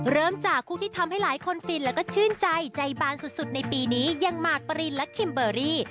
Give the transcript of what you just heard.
เริ่มจากคู่ที่ทำให้หลายคนฟินแล้วก็ชื่นใจใจบานสุดในปีนี้ยังหมากปรินและคิมเบอร์รี่